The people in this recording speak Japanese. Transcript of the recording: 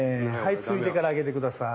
ついてから上げて下さい。